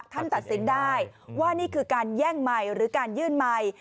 ตัดสินได้ว่านี่คือการแย่งใหม่หรือการยื่นใหม่